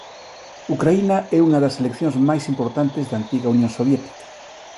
Ucraína é unha das seleccións máis importantes da antiga Unión Soviética.